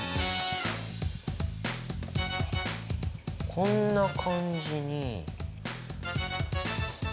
こんな感じに。